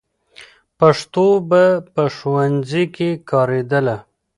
پښتو به په ښوونځي کې کارېدله.